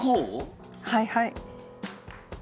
はいはい。